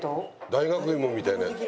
大学芋みたいなやつ。